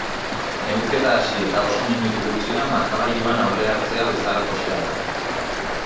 Neurketa hasi eta oso minutu gutxira markagailuan aurrea hartzea bezalakoxea da.